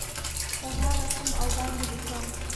په غاړه کوم او باندې لیکم